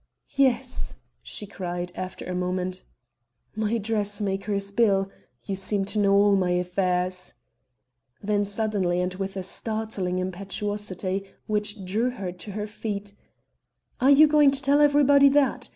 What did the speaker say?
"Yes," she cried, after a moment; "my dressmaker's bill. You seem to know all my affairs." Then suddenly, and with a startling impetuosity, which drew her to her feet: "Are you going to tell everybody that?